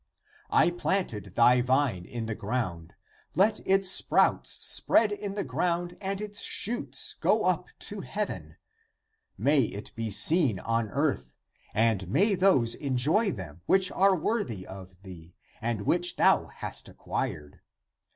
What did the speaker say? <"I planted thy vine in the ground, let its sprouts spread in the ground and its shoots go up to heaven. May it be seen on earth, and may those enjoy them which are worthy of thee and which thou hast acquired.